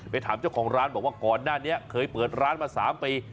ถามเจ้าของร้านบอกว่าก่อนหน้านี้เคยเปิดร้านมา๓ปี